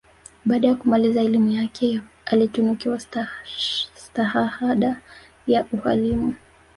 Baada ya kumaliza elimu yake ya alitunukiwa Stahahada ya Ualimu